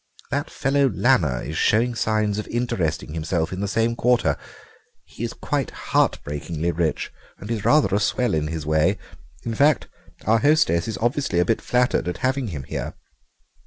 That fellow Lanner is showing signs of interesting himself in the same quarter. He's quite heartbreakingly rich and is rather a swell in his way; in fact, our hostess is obviously a bit flattered at having him here.